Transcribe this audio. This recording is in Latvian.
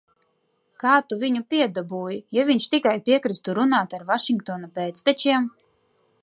Kā tu viņu piedabūji, ja viņš tikai piekristu runāt ar Vašingtona pēctečiem?